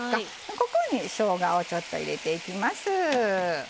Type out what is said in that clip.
ここにしょうがを入れていきます。